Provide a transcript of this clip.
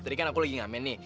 tadi kan aku lagi ngamen nih